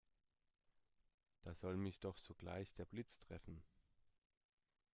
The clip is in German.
Da soll mich doch sogleich der Blitz treffen!